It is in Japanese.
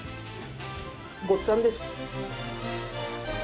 ごっつあんです。